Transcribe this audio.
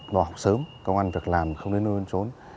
đòi học sớm công an việc làm không đến nơi trốn